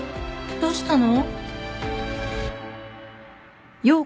・どうしたの？